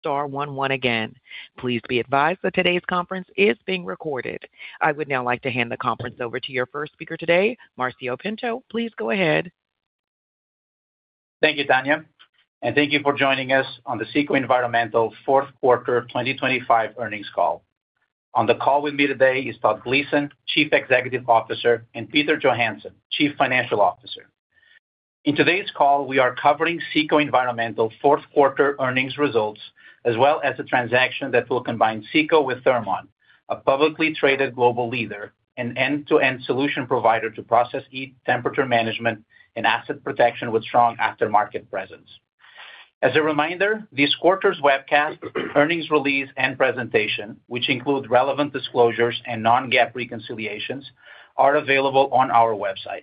Star one one again. Please be advised that today's conference is being recorded. I would now like to hand the conference over to your first speaker today, Marcio Pinto. Please go ahead. Thank you, Tanya, and thank you for joining us on the CECO Environmental fourth quarter 2025 earnings call. On the call with me today is Todd Gleason, Chief Executive Officer, and Peter Johansson, Chief Financial Officer. In today's call, we are covering CECO Environmental fourth quarter earnings results, as well as a transaction that will combine CECO with Thermon, a publicly traded global leader and end-to-end solution provider to process heat, temperature management, and asset protection with strong aftermarket presence. As a reminder, this quarter's webcast, earnings release, and presentation, which include relevant disclosures and non-GAAP reconciliations, are available on our website.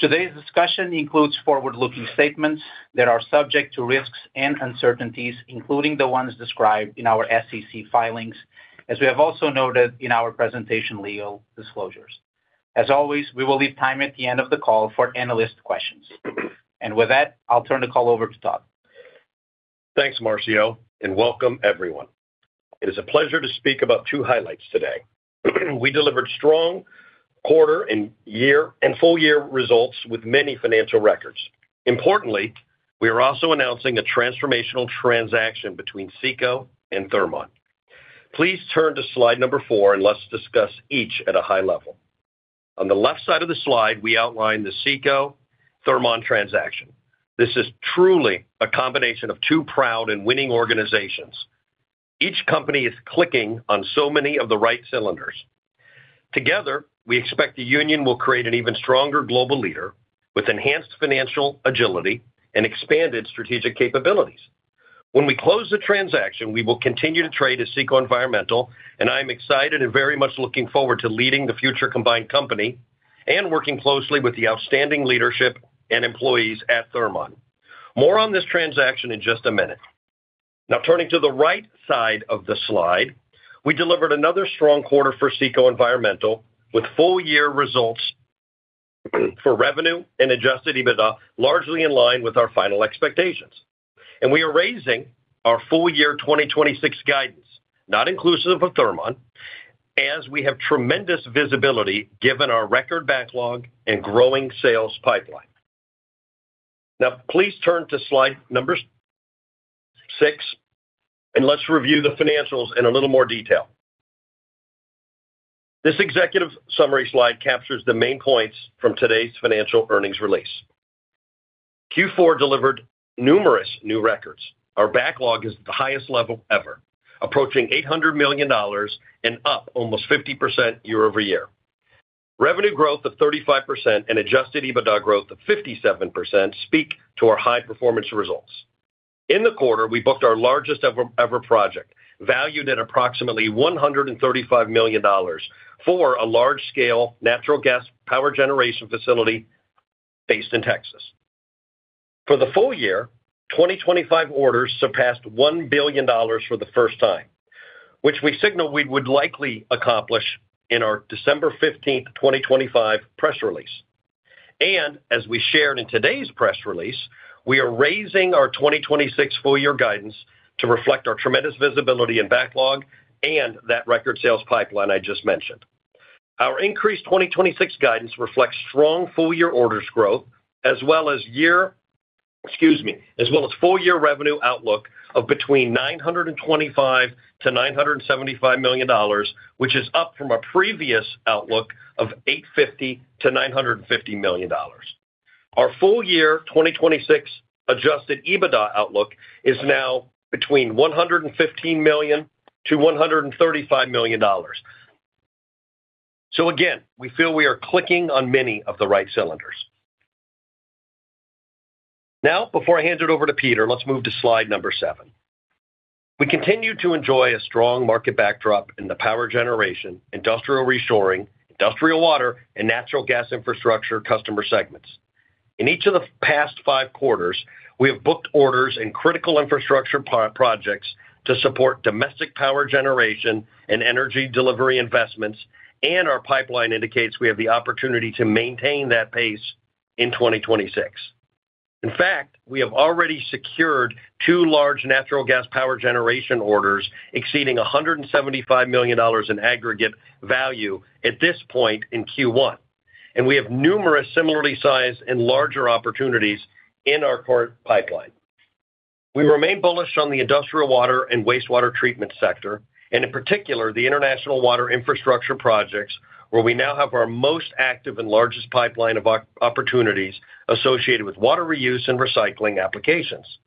Today's discussion includes forward-looking statements that are subject to risks and uncertainties, including the ones described in our SEC filings, as we have also noted in our presentation legal disclosures. As always, we will leave time at the end of the call for analyst questions. With that, I'll turn the call over to Todd. Thanks, Marcio, and welcome, everyone. It is a pleasure to speak about two highlights today. We delivered strong quarter and full-year results with many financial records. Importantly, we are also announcing a transformational transaction between CECO and Thermon. Please turn to slide number four, and let's discuss each at a high level. On the left side of the slide, we outline the CECO-Thermon transaction. This is truly a combination of two proud and winning organizations. Each company is clicking on so many of the right cylinders. Together, we expect the union will create an even stronger global leader with enhanced financial agility and expanded strategic capabilities. When we close the transaction, we will continue to trade as CECO Environmental, and I'm excited and very much looking forward to leading the future combined company and working closely with the outstanding leadership and employees at Thermon. More on this transaction in just a minute. Turning to the right side of the slide, we delivered another strong quarter for CECO Environmental, with full-year results for revenue and adjusted EBITDA, largely in line with our final expectations. We are raising our full year 2026 guidance, not inclusive of Thermon, as we have tremendous visibility given our record backlog and growing sales pipeline. Please turn to slide number six, and let's review the financials in a little more detail. This executive summary slide captures the main points from today's financial earnings release. Q4 delivered numerous new records. Our backlog is at the highest level ever, approaching $800 million and up almost 50% year-over-year. Revenue growth of 35% and adjusted EBITDA growth of 57% speak to our high-performance results. In the quarter, we booked our largest ever project, valued at approximately $135 million for a large-scale natural gas power generation facility based in Texas. For the full year, 2025 orders surpassed $1 billion for the first time, which we signaled we would likely accomplish in our December 15th, 2025 press release. As we shared in today's press release, we are raising our 2026 full year guidance to reflect our tremendous visibility and backlog and that record sales pipeline I just mentioned. Our increased 2026 guidance reflects strong full-year orders growth, as well as full-year revenue outlook of between $925 million-$975 million, which is up from our previous outlook of $850 million-$950 million. Our full year 2026 adjusted EBITDA outlook is now between $115 million-$135 million. Again, we feel we are clicking on many of the right cylinders. Before I hand it over to Peter, let's move to slide number seven. We continue to enjoy a strong market backdrop in the power generation, industrial reshoring, industrial water, and natural gas infrastructure customer segments. In each of the past five quarters, we have booked orders in critical infrastructure pro-projects to support domestic power generation and energy delivery investments, and our pipeline indicates we have the opportunity to maintain that pace in 2026. In fact, we have already secured two large natural gas power generation orders exceeding $175 million in aggregate value at this point in Q1. We have numerous similarly sized and larger opportunities in our current pipeline. We remain bullish on the industrial water and wastewater treatment sector, in particular, the international water infrastructure projects, where we now have our most active and largest pipeline of opportunities associated with water reuse and recycling applications.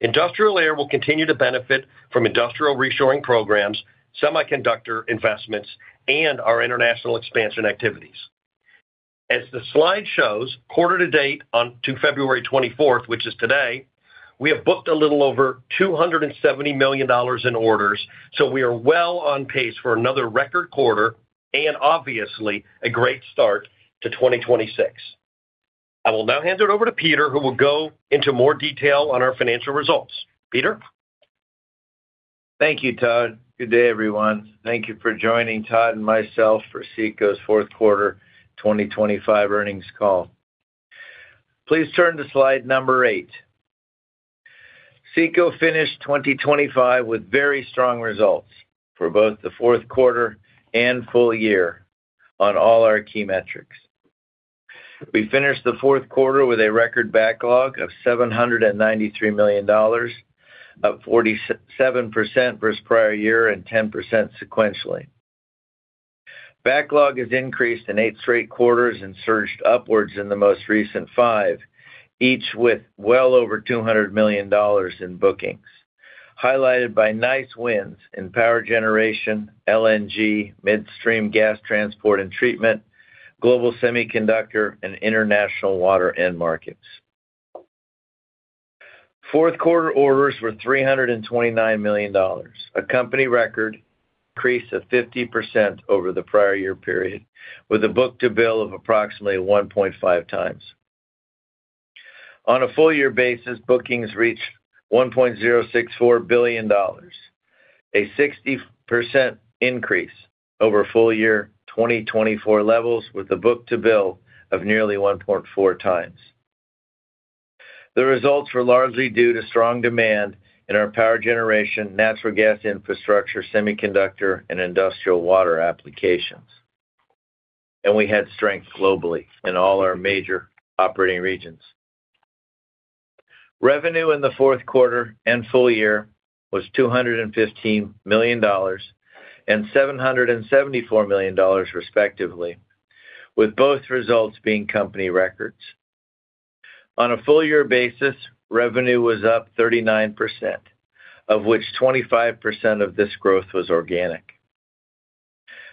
Industrial air will continue to benefit from industrial reshoring programs, semiconductor investments, and our international expansion activities. As the slide shows, quarter to date on to February 24th, which is today, we have booked a little over $270 million in orders. We are well on pace for another record quarter and obviously a great start to 2026. I will now hand it over to Peter, who will go into more detail on our financial results. Peter? Thank you, Todd. Good day, everyone. Thank you for joining Todd and myself for CECO's fourth quarter 2025 earnings call. Please turn to slide number 8. CECO finished 2025 with very strong results for both the fourth quarter and full year on all our key metrics. We finished the fourth quarter with a record backlog of $793 million, up 47% versus prior year and 10% sequentially. Backlog has increased in eight straight quarters and surged upwards in the most recent five, each with well over $200 million in bookings, highlighted by nice wins in power generation, LNG, midstream gas transport and treatment, global semiconductor and international water end markets. Fourth quarter orders were $329 million, a company record increase of 50% over the prior year period, with a book-to-bill of approximately 1.5x. On a full year basis, bookings reached $1.064 billion, a 60% increase over full year 2024 levels, with a book-to-bill of nearly 1.4x. The results were largely due to strong demand in our power generation, natural gas infrastructure, semiconductor, and industrial water applications, we had strength globally in all our major operating regions. Revenue in the fourth quarter and full year was $215 million and $774 million, respectively, with both results being company records. On a full year basis, revenue was up 39%, of which 25% of this growth was organic.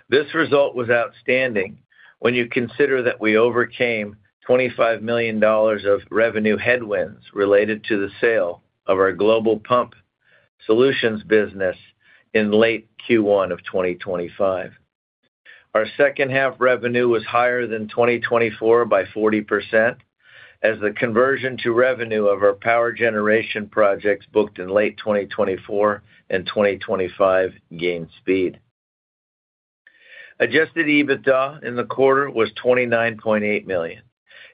This result was outstanding when you consider that we overcame $25 million of revenue headwinds related to the sale of our Global Pump Solutions business in late Q1 of 2025. Our second half revenue was higher than 2024 by 40%, as the conversion to revenue of our power generation projects booked in late 2024 and 2025 gained speed. Adjusted EBITDA in the quarter was $29.8 million,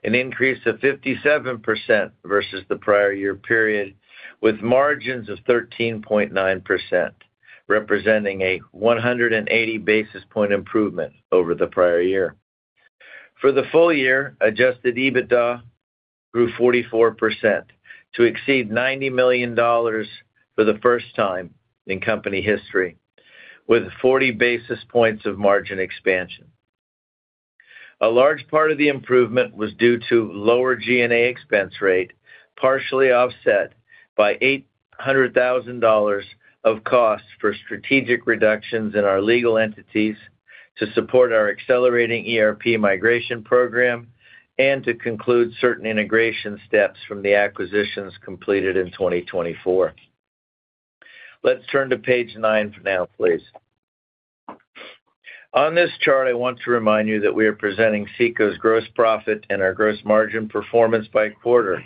an increase of 57% versus the prior year period, with margins of 13.9%, representing a 180 basis point improvement over the prior year. For the full year, adjusted EBITDA grew 44% to exceed $90 million for the first time in company history, with 40 basis points of margin expansion. A large part of the improvement was due to lower G&A expense rate, partially offset by $800,000 of costs for strategic reductions in our legal entities to support our accelerating ERP migration program and to conclude certain integration steps from the acquisitions completed in 2024. Let's turn to page nine for now, please. On this chart, I want to remind you that we are presenting CECO's gross profit and our gross margin performance by quarter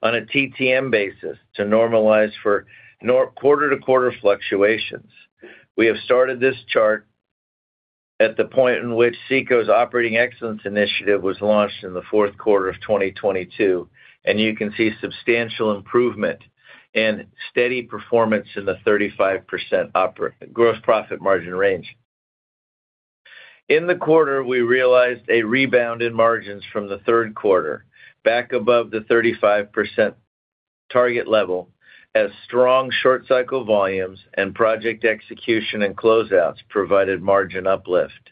on a TTM basis to normalize for quarter-to-quarter fluctuations. We have started this chart at the point in which CECO's Operating Excellence Initiative was launched in the fourth quarter of 2022. You can see substantial improvement and steady performance in the 35% gross profit margin range. In the quarter, we realized a rebound in margins from the third quarter back above the 35% target level, as strong short cycle volumes and project execution and closeouts provided margin uplift.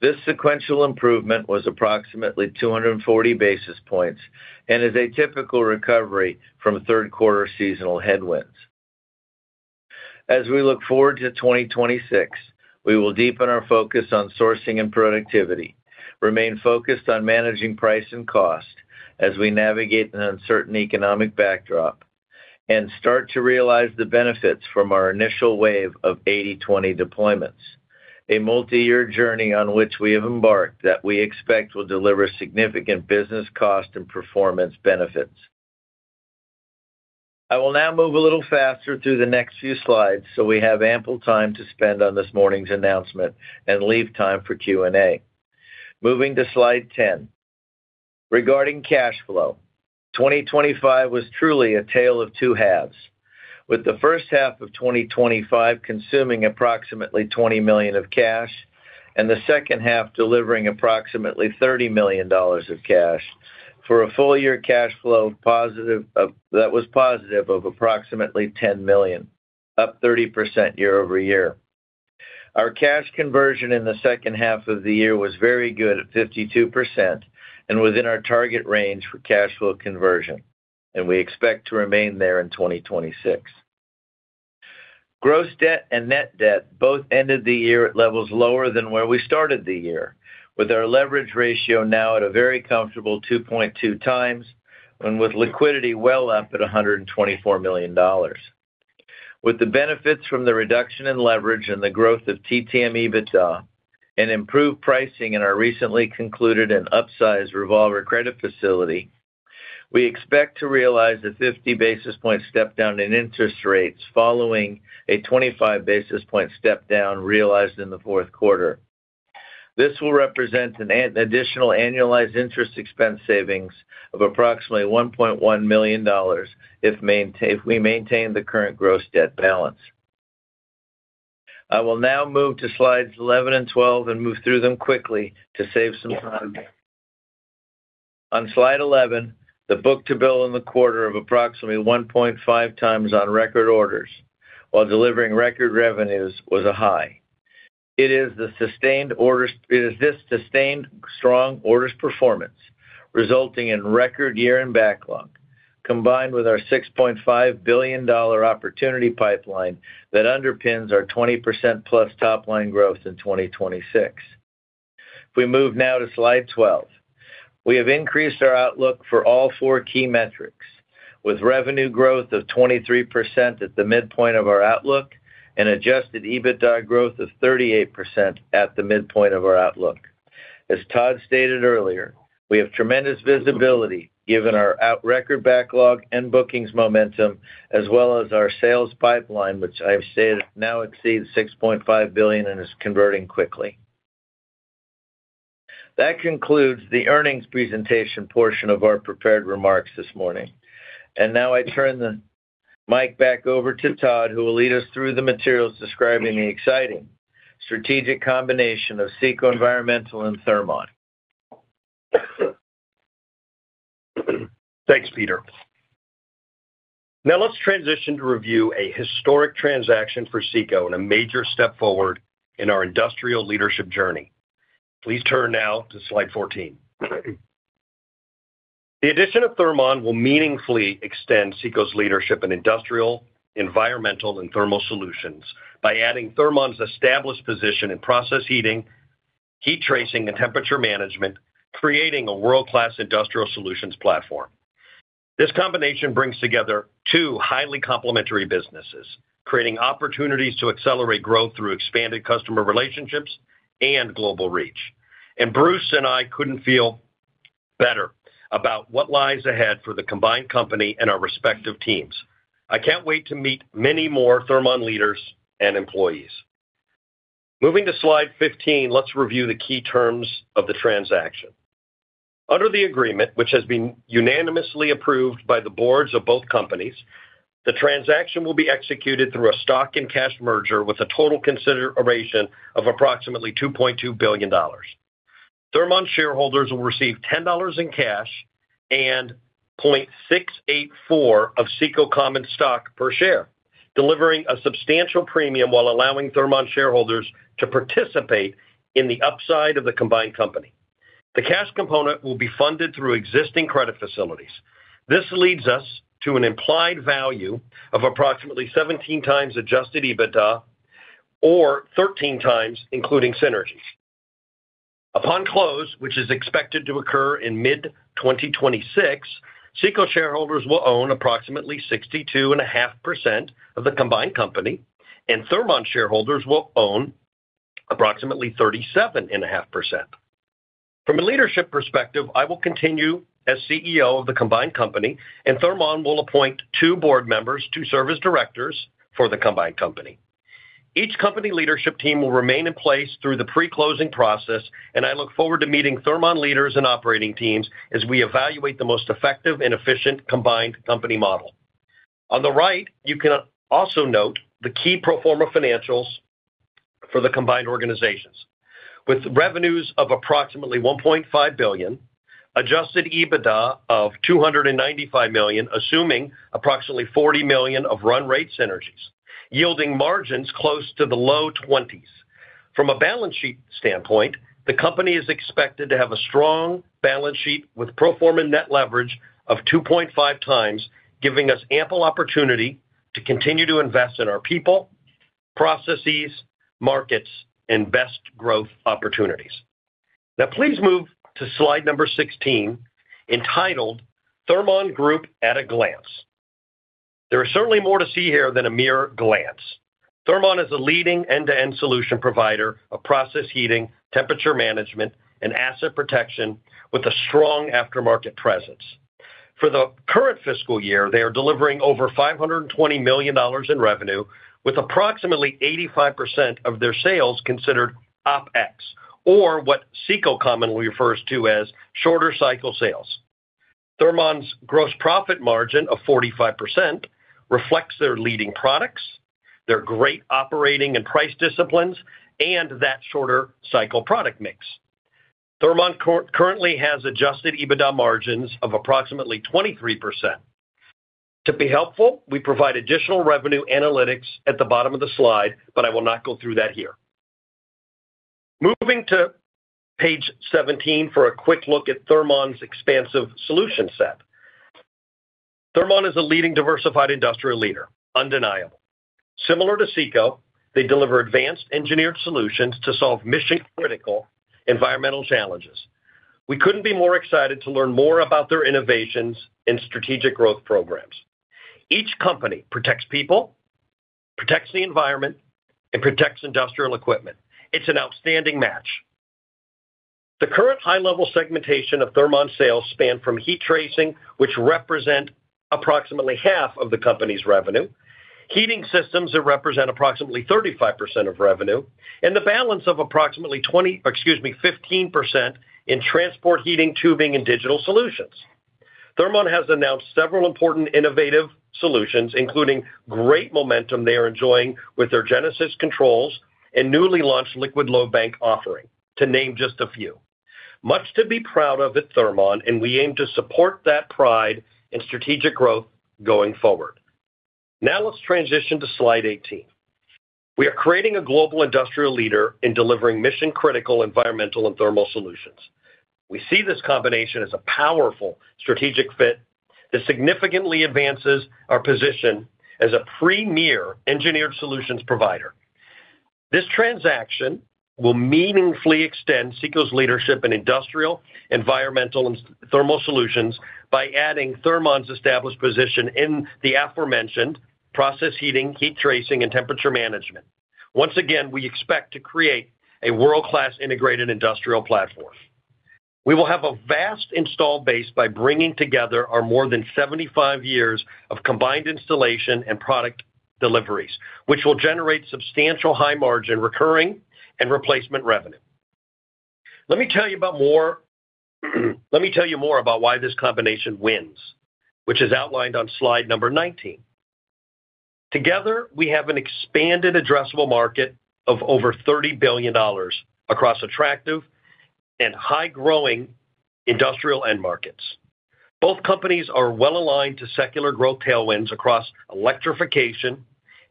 This sequential improvement was approximately 240 basis points and is a typical recovery from third quarter seasonal headwinds. As we look forward to 2026, we will deepen our focus on sourcing and productivity, remain focused on managing price and cost as we navigate an uncertain economic backdrop, and start to realize the benefits from our initial wave of 80/20 deployments, a multi-year journey on which we have embarked that we expect will deliver significant business cost and performance benefits. I will now move a little faster through the next few slides so we have ample time to spend on this morning's announcement and leave time for Q&A. Moving to slide 10. Regarding cash flow, 2025 was truly a tale of two halves, with the first half of 2025 consuming approximately $20 million of cash and the second half delivering approximately $30 million of cash, for a full year cash flow positive of approximately $10 million, up 30% year-over-year. Our cash conversion in the second half of the year was very good at 52% and within our target range for cash flow conversion, and we expect to remain there in 2026. Gross debt and net debt both ended the year at levels lower than where we started the year, with our leverage ratio now at a very comfortable 2.2x and with liquidity well up at $124 million. With the benefits from the reduction in leverage and the growth of TTM EBITDA and improved pricing in our recently concluded and upsized revolving credit facility, we expect to realize a 50 basis point step down in interest rates following a 25 basis point step down realized in the fourth quarter. This will represent an additional annualized interest expense savings of approximately $1.1 million if we maintain the current gross debt balance. I will now move to slides 11 and 12 and move through them quickly to save some time. On slide 11, the book-to-bill in the quarter of approximately 1.5x on record orders, while delivering record revenues, was a high. It is this sustained strong orders performance, resulting in record year-end backlog, combined with our $6.5 billion opportunity pipeline, that underpins our 20%+ top-line growth in 2026. If we move now to slide 12. We have increased our outlook for all four key metrics, with revenue growth of 23% at the midpoint of our outlook and adjusted EBITDA growth of 38% at the midpoint of our outlook. As Todd stated earlier, we have tremendous visibility given our out record backlog and bookings momentum, as well as our sales pipeline, which I've stated now exceeds $6.5 billion and is converting quickly. That concludes the earnings presentation portion of our prepared remarks this morning. Now I turn the mic back over to Todd, who will lead us through the materials describing the exciting strategic combination of CECO Environmental and Thermon. Thanks, Peter. Now let's transition to review a historic transaction for CECO and a major step forward in our industrial leadership journey. Please turn now to slide 14. The addition of Thermon will meaningfully extend CECO's leadership in industrial, environmental, and thermal solutions by adding Thermon's established position in process heating, heat tracing, and temperature management, creating a world-class industrial solutions platform. This combination brings together two highly complementary businesses, creating opportunities to accelerate growth through expanded customer relationships and global reach. Bruce and I couldn't feel better about what lies ahead for the combined company and our respective teams. I can't wait to meet many more Thermon leaders and employees. Moving to slide 15, let's review the key terms of the transaction. Under the agreement, which has been unanimously approved by the boards of both companies, the transaction will be executed through a stock and cash merger with a total consideration of approximately $2.2 billion. Thermon shareholders will receive $10 in cash and 0.684 of CECO common stock per share, delivering a substantial premium while allowing Thermon shareholders to participate in the upside of the combined company. The cash component will be funded through existing credit facilities. This leads us to an implied value of approximately 17x adjusted EBITDA, or 13x including synergies. Upon close, which is expected to occur in mid-2026, CECO shareholders will own approximately 62.5% of the combined company, and Thermon shareholders will own approximately 37.5%. From a leadership perspective, I will continue as CEO of the combined company. Thermon will appoint two board members to serve as directors for the combined company. Each company leadership team will remain in place through the pre-closing process. I look forward to meeting Thermon leaders and operating teams as we evaluate the most effective and efficient combined company model. On the right, you can also note the key pro forma financials for the combined organizations. With revenues of approximately $1.5 billion, adjusted EBITDA of $295 million, assuming approximately $40 million of run rate synergies, yielding margins close to the low 20s. From a balance sheet standpoint, the company is expected to have a strong balance sheet with pro forma net leverage of 2.5x, giving us ample opportunity to continue to invest in our people, processes, markets, and best growth opportunities. Please move to slide number 16, entitled: Thermon Group At a Glance. There is certainly more to see here than a mere glance. Thermon is a leading end-to-end solution provider of process heating, temperature management, and asset protection, with a strong aftermarket presence. For the current fiscal year, they are delivering over $520 million in revenue, with approximately 85% of their sales considered OpEx, or what CECO commonly refers to as shorter cycle sales. Thermon's gross profit margin of 45% reflects their leading products, their great operating and price disciplines, and that shorter cycle product mix. Thermon currently has adjusted EBITDA margins of approximately 23%. To be helpful, we provide additional revenue analytics at the bottom of the slide, but I will not go through that here. Moving to page 17 for a quick look at Thermon's expansive solution set. Thermon is a leading diversified industrial leader, undeniable. Similar to CECO, they deliver advanced engineered solutions to solve mission-critical environmental challenges. We couldn't be more excited to learn more about their innovations and strategic growth programs. Each company protects people, protects the environment, and protects industrial equipment. It's an outstanding match. The current high-level segmentation of Thermon sales span from heat tracing, which represent approximately half of the company's revenue, heating systems that represent approximately 35% of revenue, and the balance of approximately 15% in transport, heating, tubing, and digital solutions. Thermon has announced several important innovative solutions, including great momentum they are enjoying with their Genesis controls and newly launched Liquid Load Bank offering, to name just a few. Much to be proud of at Thermon, and we aim to support that pride and strategic growth going forward. Let's transition to slide 18. We are creating a global industrial leader in delivering mission-critical environmental and thermal solutions. We see this combination as a powerful strategic fit that significantly advances our position as a premier engineered solutions provider. This transaction will meaningfully extend CECO's leadership in industrial, environmental, and thermal solutions by adding Thermon's established position in the aforementioned process heating, heat tracing, and temperature management. Once again, we expect to create a world-class integrated industrial platform. We will have a vast installed base by bringing together our more than 75 years of combined installation and product deliveries, which will generate substantial high margin recurring and replacement revenue. Let me tell you more about why this combination wins, which is outlined on slide number 19. Together, we have an expanded addressable market of over $30 billion across attractive and high-growing industrial end markets. Both companies are well aligned to secular growth tailwinds across electrification,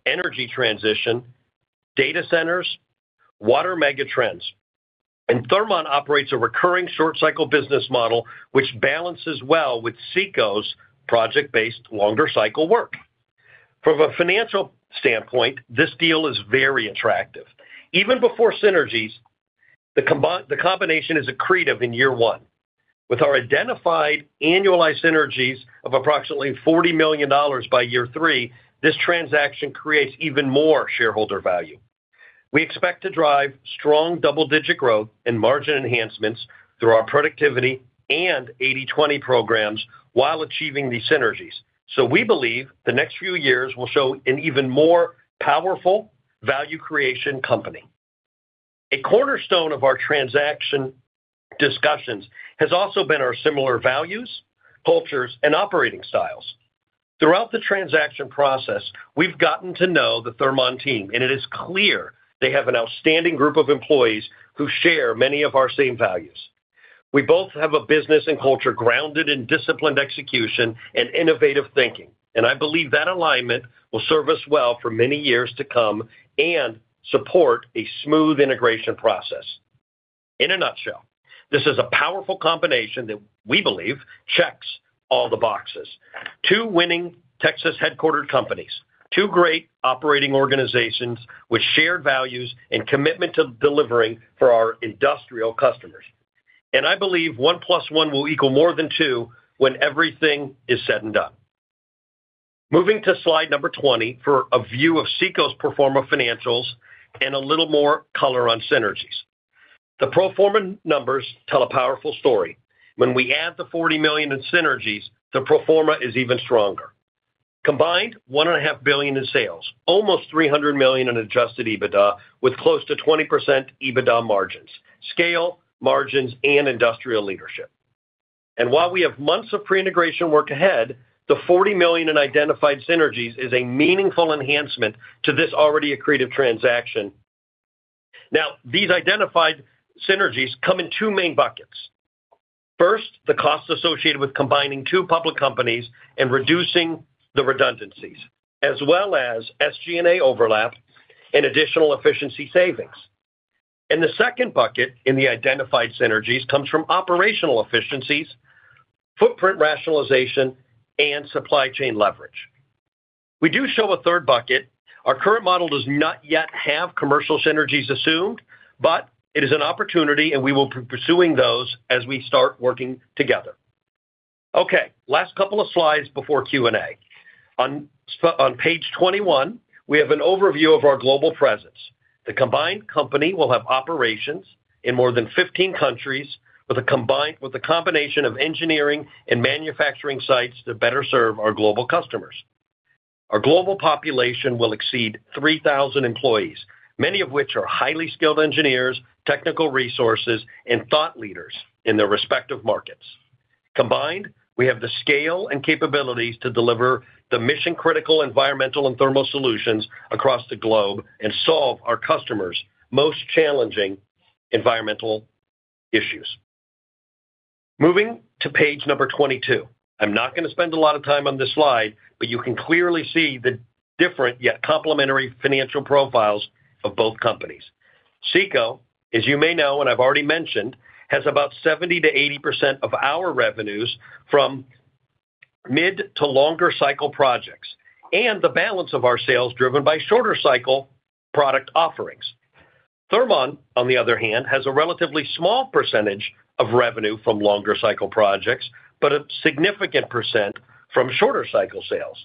energy transition, data centers, water megatrends. Thermon operates a recurring short-cycle business model, which balances well with CECO's project-based, longer cycle work. From a financial standpoint, this deal is very attractive. Even before synergies, the combination is accretive in year one. With our identified annualized synergies of approximately $40 million by year three, this transaction creates even more shareholder value. We expect to drive strong double-digit growth and margin enhancements through our productivity and 80/20 programs while achieving these synergies. We believe the next few years will show an even more powerful value creation company. A cornerstone of our transaction discussions has also been our similar values, cultures, and operating styles. Throughout the transaction process, we've gotten to know the Thermon team, and it is clear they have an outstanding group of employees who share many of our same values. We both have a business and culture grounded in disciplined execution and innovative thinking, and I believe that alignment will serve us well for many years to come and support a smooth integration process. In a nutshell, this is a powerful combination that we believe checks all the boxes. Two winning Texas-headquartered companies, two great operating organizations with shared values and commitment to delivering for our industrial customers. I believe one plus one will equal more than two when everything is said and done. Moving to slide number 20 for a view of CECO's pro forma financials and a little more color on synergies. The pro forma numbers tell a powerful story. When we add the $40 million in synergies, the pro forma is even stronger. Combined, 1.5 billion in sales, almost $300 million in adjusted EBITDA, with close to 20% EBITDA margins, scale, margins, and industrial leadership. While we have months of pre-integration work ahead, the $40 million in identified synergies is a meaningful enhancement to this already accretive transaction. These identified synergies come in two main buckets. First, the costs associated with combining two public companies and reducing the redundancies, as well as SG&A overlap and additional efficiency savings. The second bucket in the identified synergies comes from operational efficiencies, footprint rationalization, and supply chain leverage. We do show a third bucket. Our current model does not yet have commercial synergies assumed, but it is an opportunity, and we will be pursuing those as we start working together. Last couple of slides before Q&A. On page 21, we have an overview of our global presence. The combined company will have operations in more than 15 countries, with a combination of engineering and manufacturing sites to better serve our global customers. Our global population will exceed 3,000 employees, many of which are highly skilled engineers, technical resources, and thought leaders in their respective markets. Combined, we have the scale and capabilities to deliver the mission-critical environmental and thermal solutions across the globe and solve our customers' most challenging environmental issues. Moving to page number 22. I'm not going to spend a lot of time on this slide, but you can clearly see the different, yet complementary, financial profiles of both companies. CECO, as you may know, and I've already mentioned, has about 70%-80% of our revenues from mid to longer cycle projects, and the balance of our sales driven by shorter cycle product offerings. Thermon, on the other hand, has a relatively small percentage of revenue from longer cycle projects, but a significant percent from shorter cycle sales.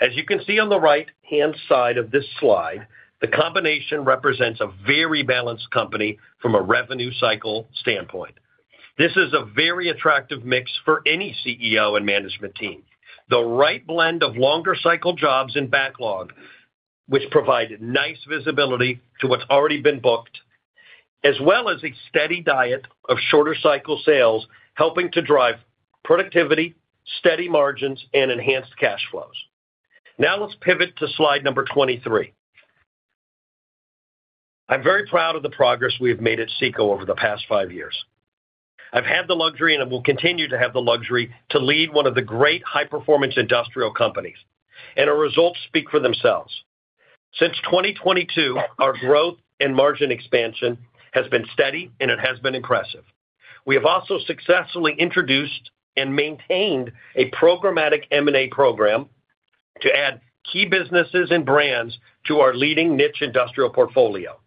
As you can see on the right-hand side of this slide, the combination represents a very balanced company from a revenue cycle standpoint. This is a very attractive mix for any CEO and management team. The right blend of longer cycle jobs and backlog, which provide nice visibility to what's already been booked, as well as a steady diet of shorter cycle sales, helping to drive productivity, steady margins, and enhanced cash flows. Let's pivot to slide number 23. I'm very proud of the progress we have made at CECO over the past five years. I've had the luxury, and I will continue to have the luxury to lead one of the great high-performance industrial companies, and our results speak for themselves. Since 2022, our growth and margin expansion has been steady, and it has been impressive. We have also successfully introduced and maintained a programmatic M&A program to add key businesses and brands to our leading niche industrial portfolio.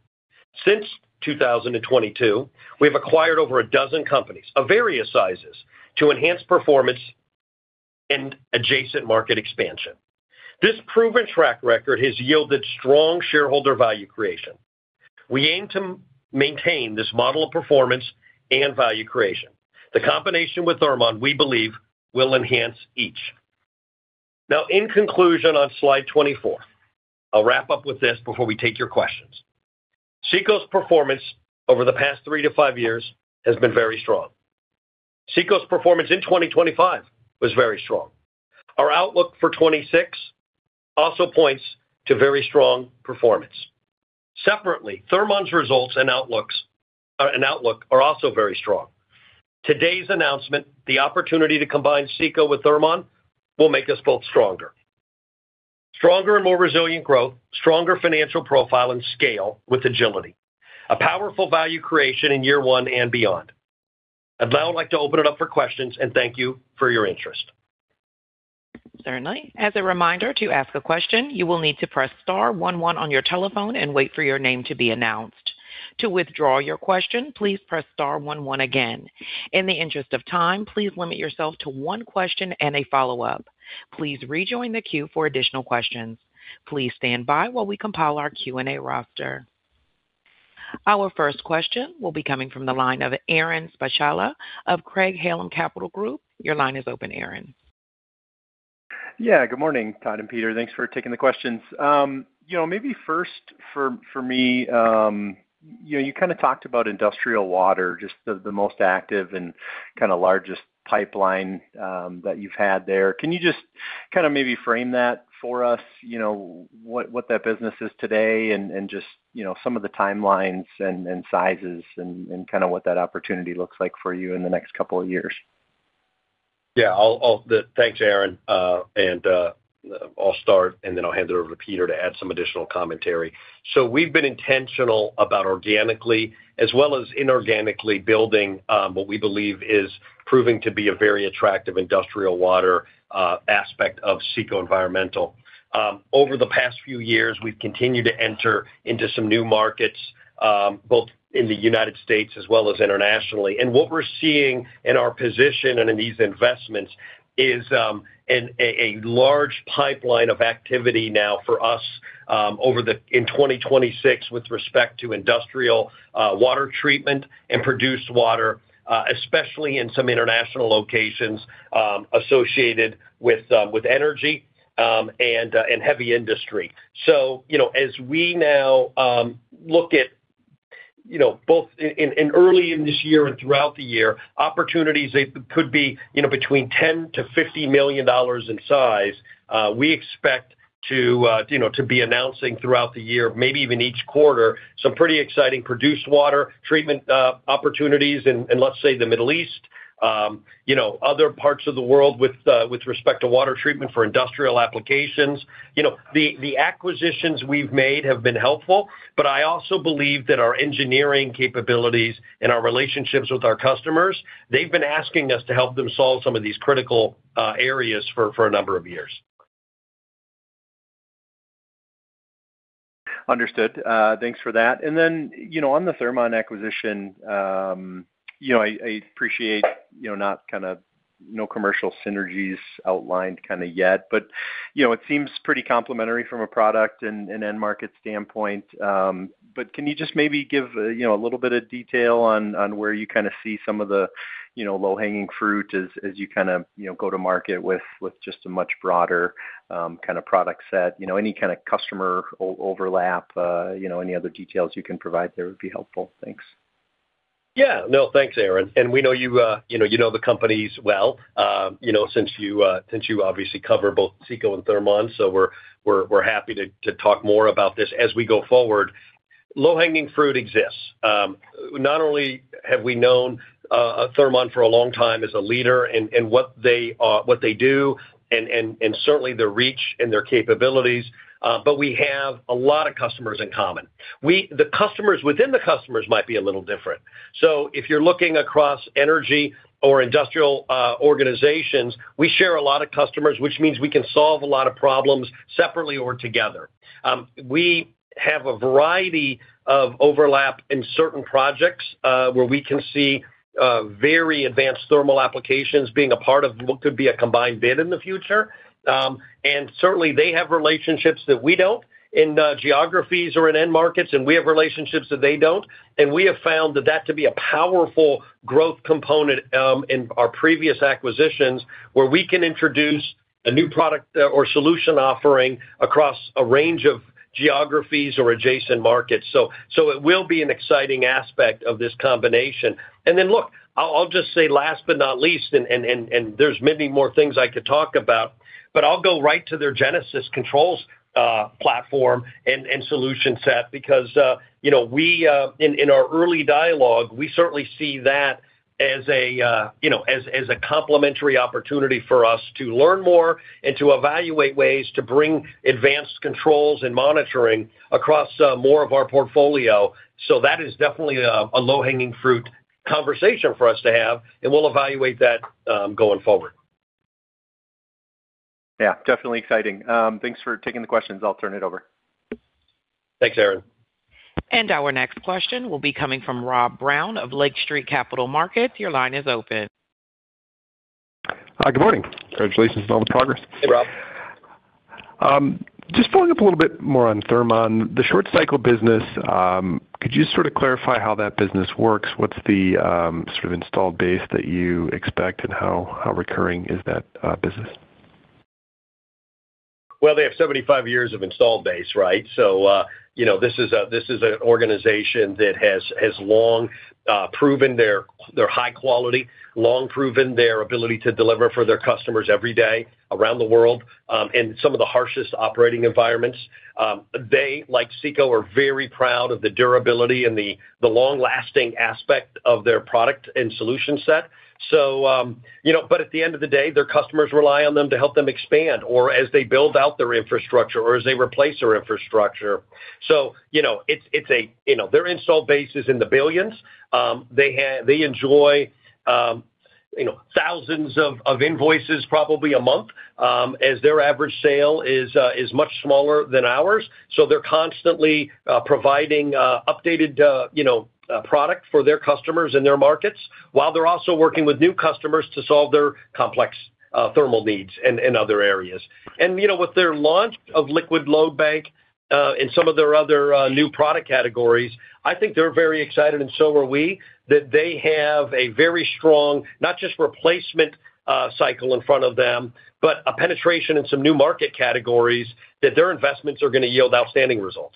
Since 2022, we have acquired over 12 companies of various sizes to enhance performance and adjacent market expansion. This proven track record has yielded strong shareholder value creation. We aim to maintain this model of performance and value creation. The combination with Thermon, we believe, will enhance each. Now, in conclusion, on slide 24, I'll wrap up with this before we take your questions. CECO's performance over the past three to five years has been very strong. CECO's performance in 2025 was very strong. Our outlook for 2026 also points to very strong performance. Separately, Thermon's results and outlooks, and outlook are also very strong. Today's announcement, the opportunity to combine CECO with Thermon, will make us both stronger. Stronger and more resilient growth, stronger financial profile and scale with agility. A powerful value creation in year one and beyond. I'd now like to open it up for questions, and thank you for your interest. Certainly. As a reminder, to ask a question, you will need to press star one one on your telephone and wait for your name to be announced. To withdraw your question, please press star one one again. In the interest of time, please limit yourself to one question and a follow-up. Please rejoin the queue for additional questions. Please stand by while we compile our Q&A roster. Our first question will be coming from the line of Aaron Spychalla of Craig-Hallum Capital Group. Your line is open, Aaron. Good morning, Todd and Peter. Thanks for taking the questions. You know, maybe first for me, you know, you kind of talked about industrial water, just the most active and kind of largest pipeline that you've had there. Can you just kind of maybe frame that for us? You know, what that business is today and just, you know, some of the timelines and sizes and kind of what that opportunity looks like for you in the next couple of years? Yeah, thanks, Aaron. I'll start, and then I'll hand it over to Peter to add some additional commentary. We've been intentional about organically as well as inorganically building what we believe is proving to be a very attractive industrial water aspect of CECO Environmental. Over the past few years, we've continued to enter into some new markets, both in the United States as well as internationally. What we're seeing in our position and in these investments is a large pipeline of activity now for us in 2026, with respect to industrial water treatment and produced water, especially in some international locations associated with energy and heavy industry. You know, as we now, look at, you know, both in early in this year and throughout the year, opportunities that could be, you know, between $10 million-$50 million in size, we expect to, you know, to be announcing throughout the year, maybe even each quarter, some pretty exciting produced water treatment, opportunities in, let's say, the Middle East, you know, other parts of the world with respect to water treatment for industrial applications. You know, the acquisitions we've made have been helpful, but I also believe that our engineering capabilities and our relationships with our customers, they've been asking us to help them solve some of these critical, areas for a number of years. Understood. Thanks for that. Then, you know, on the Thermon acquisition, you know, I appreciate, you know, not kind of no commercial synergies outlined kind of yet, but, you know, it seems pretty complementary from a product and end-market standpoint. Can you just maybe give, you know, a little bit of detail on where you kind of see some of the, you know, low-hanging fruit as you kind of, you know, go to market with just a much broader, kind of product set? You know, any kind of customer overlap, you know, any other details you can provide there would be helpful. Thanks. Yeah. No, thanks, Aaron. We know you know, you know the companies well, you know, since you, since you obviously cover both CECO and Thermon, we're happy to talk more about this as we go forward. Low-hanging fruit exists. Not only have we known Thermon for a long time as a leader in what they do, and certainly their reach and their capabilities, but we have a lot of customers in common. The customers within the customers might be a little different. If you're looking across energy or industrial organizations, we share a lot of customers, which means we can solve a lot of problems separately or together. We have a variety of overlap in certain projects, where we can see very advanced thermal applications being a part of what could be a combined bid in the future. Certainly, they have relationships that we don't in geographies or in end markets, and we have relationships that they don't. We have found that to be a powerful growth component in our previous acquisitions, where we can introduce a new product or solution offering across a range of customers, geographies or adjacent markets. It will be an exciting aspect of this combination. look, I'll just say last but not least, and there's many more things I could talk about, but I'll go right to their GenesisTM Network platform and solution set because you know, we in our early dialogue, we certainly see that as a you know, as a complementary opportunity for us to learn more and to evaluate ways to bring advanced controls and monitoring across more of our portfolio. That is definitely a low-hanging fruit conversation for us to have, and we'll evaluate that going forward. Yeah, definitely exciting. Thanks for taking the questions. I'll turn it over. Thanks, Aaron. Our next question will be coming from Rob Brown of Lake Street Capital Markets. Your line is open. Hi, good morning. Congratulations on all the progress. Hey, Rob. Just following up a little bit more on Thermon. The short cycle business, could you sort of clarify how that business works? What's the sort of installed base that you expect, and how recurring is that business? Well, they have 75 years of installed base, right? You know, this is an organization that has long proven their high quality, long proven their ability to deliver for their customers every day around the world in some of the harshest operating environments. They, like CECO, are very proud of the durability and the long-lasting aspect of their product and solution set. You know, at the end of the day, their customers rely on them to help them expand or as they build out their infrastructure or as they replace their infrastructure. You know, it's. You know, their install base is in the billions. They enjoy, you know, thousands of invoices probably a month as their average sale is much smaller than ours. They're constantly providing updated, you know, product for their customers and their markets, while they're also working with new customers to solve their complex thermal needs in other areas. You know, with their launch of Liquid Load Bank, and some of their other new product categories, I think they're very excited, and so are we, that they have a very strong, not just replacement, cycle in front of them, but a penetration in some new market categories that their investments are gonna yield outstanding results.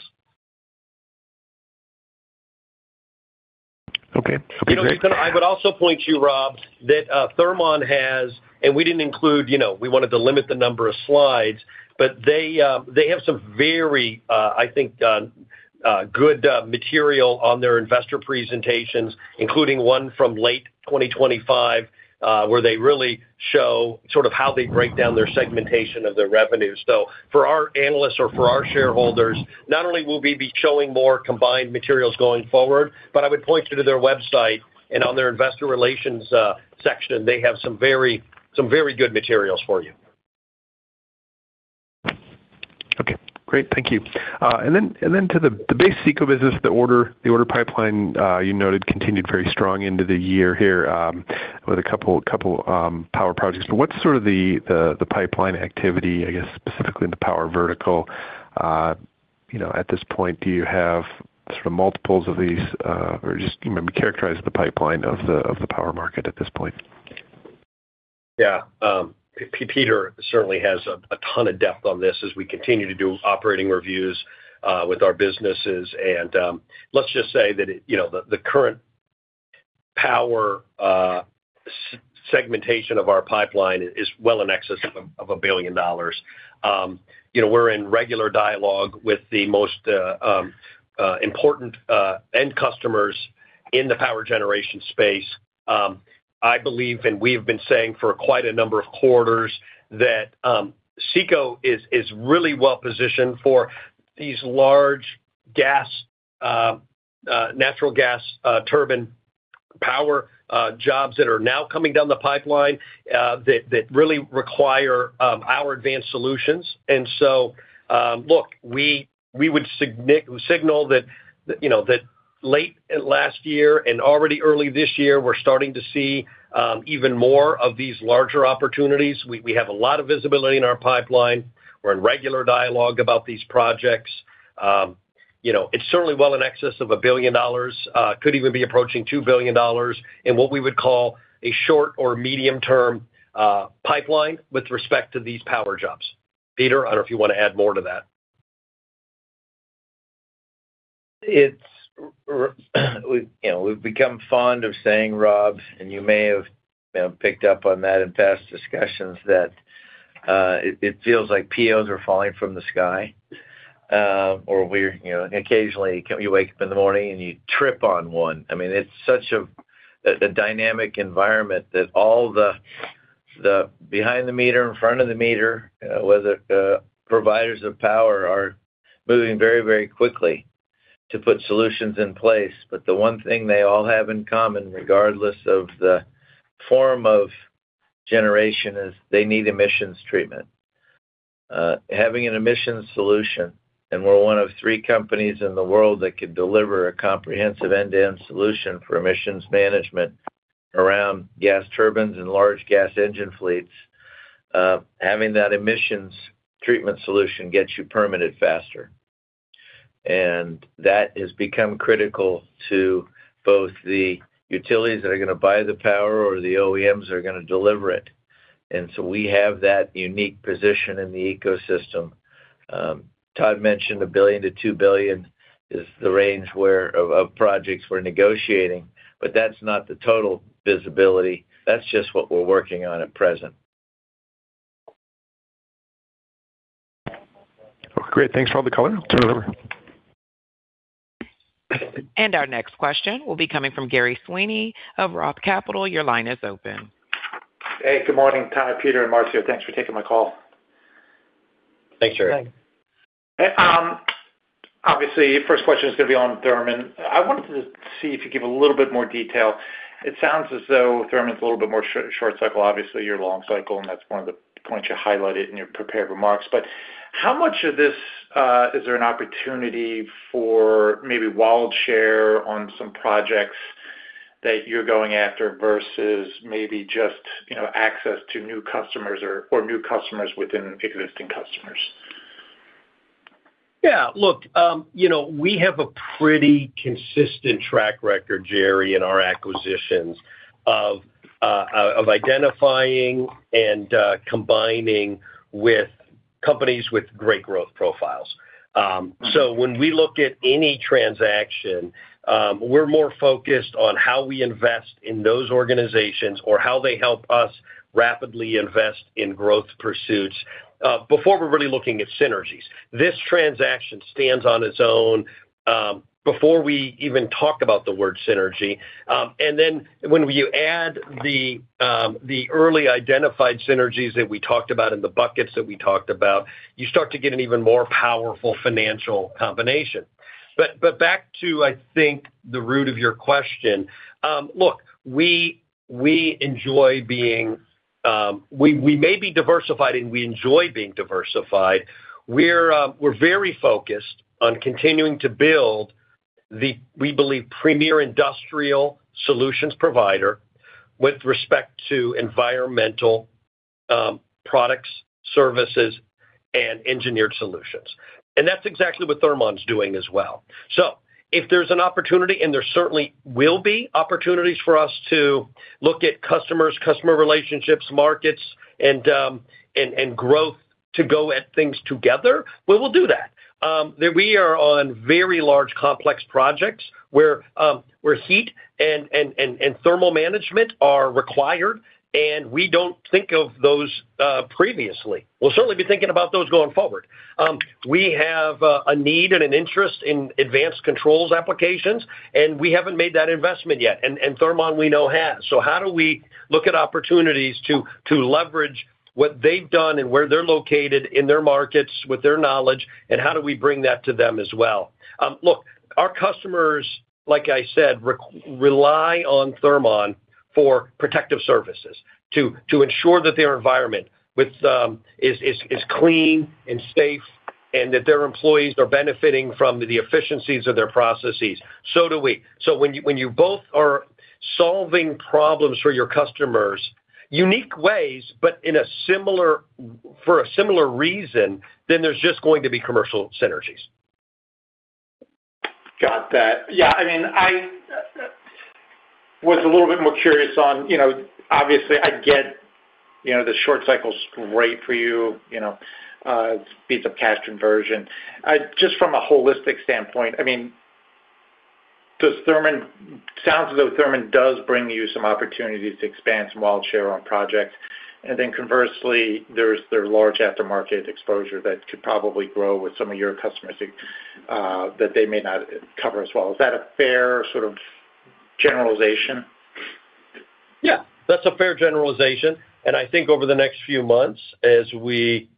Okay. You know, I would also point to you, Rob, that Thermon has. We didn't include, you know, we wanted to limit the number of slides, but they have some very, I think, good material on their investor presentations, including one from late 2025, where they really show sort of how they break down their segmentation of their revenues. For our analysts or for our shareholders, not only will we be showing more combined materials going forward, but I would point you to their website, and on their investor relations section, they have some very good materials for you. Okay, great. Thank you. Then to the base CECO business, the order pipeline, you noted, continued very strong into the year here, with a couple power projects. What's sort of the pipeline activity, I guess, specifically in the power vertical? You know, at this point, do you have sort of multiples of these, or just, you know, characterize the pipeline of the power market at this point? Yeah, Peter certainly has a ton of depth on this as we continue to do operating reviews with our businesses. Let's just say that it, you know, the current power segmentation of our pipeline is well in excess of $1 billion. You know, we're in regular dialogue with the most important end customers in the power generation space. I believe, and we have been saying for quite a number of quarters, that CECO is really well positioned for these large gas natural gas turbine power jobs that are now coming down the pipeline that really require our advanced solutions. Look, we would signal that, you know, that late last year and already early this year, we're starting to see even more of these larger opportunities. We have a lot of visibility in our pipeline. We're in regular dialogue about these projects. You know, it's certainly well in excess of $1 billion, could even be approaching $2 billion in what we would call a short or medium-term pipeline with respect to these power jobs. Peter, I don't know if you want to add more to that. It's. We, you know, we've become fond of saying, Rob, and you may have, you know, picked up on that in past discussions, that it feels like POs are falling from the sky, or we're, you know, occasionally, you wake up in the morning, and you trip on one. I mean, it's such a dynamic environment that all the behind-the-meter, in-front-of-the-meter, whether providers of power are moving very, very quickly to put solutions in place. The one thing they all have in common, regardless of the form of generation, is they need emissions treatment. Having an emissions solution, and we're one of three companies in the world that can deliver a comprehensive end-to-end solution for emissions management around gas turbines and large gas engine fleets, having that emissions treatment solution gets you permitted faster. And that has become critical to both the utilities that are going to buy the power or the OEMs are going to deliver it. We have that unique position in the ecosystem. Todd mentioned $1 billion-$2 billion is the range where of projects we're negotiating, but that's not the total visibility. That's just what we're working on at present. Okay, great. Thanks for all the color. Turn it over. Our next question will be coming from Gerry Sweeney of Roth Capital Partners. Your line is open. Hey, good morning, Todd, Peter, and Marcio. Thanks for taking my call. Thanks, Gerry. Obviously, first question is going to be on Thermon. I wanted to see if you give a little bit more detail. It sounds as though Thermon is a little bit more short cycle, obviously, you're long cycle, and that's one of the points you highlighted in your prepared remarks. How much of this is there an opportunity for maybe wallet share on some projects that you're going after versus maybe just, you know, access to new customers or new customers within existing customers? Yeah, look, you know, we have a pretty consistent track record, Gerry, in our acquisitions of identifying and combining with companies with great growth profiles. When we look at any transaction, we're more focused on how we invest in those organizations or how they help us rapidly invest in growth pursuits before we're really looking at synergies. This transaction stands on its own before we even talk about the word synergy. Then when you add the early identified synergies that we talked about and the buckets that we talked about, you start to get an even more powerful financial combination. Back to, I think, the root of your question. Look, we enjoy being. We, we may be diversified, and we enjoy being diversified. We're very focused on continuing to build the, we believe, premier industrial solutions provider with respect to environmental products, services, and engineered solutions. That's exactly what Thermon's doing as well. If there's an opportunity, and there certainly will be opportunities for us to look at customers, customer relationships, markets, and growth to go at things together, we will do that. That we are on very large, complex projects where heat and thermal management are required, and we don't think of those previously. We'll certainly be thinking about those going forward. We have a need and an interest in advanced controls applications, and we haven't made that investment yet, and Thermon, we know, has. How do we look at opportunities to leverage what they've done and where they're located in their markets with their knowledge, and how do we bring that to them as well? Look, our customers, like I said, rely on Thermon for protective services to ensure that their environment is clean and safe and that their employees are benefiting from the efficiencies of their processes. Do we. When you both are solving problems for your customers, unique ways, but for a similar reason, then there's just going to be commercial synergies. Got that. I mean, I was a little bit more curious on, you know, obviously, I get, you know, the short cycle's great for you know, speeds up cash conversion. Just from a holistic standpoint, I mean, does Thermon, sounds as though Thermon does bring you some opportunities to expand some wallet share on projects. Conversely, there's their large aftermarket exposure that could probably grow with some of your customers, that they may not cover as well. Is that a fair sort of generalization? That's a fair generalization, and I think over the next few months, as we